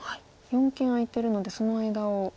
四間空いてるのでその間を。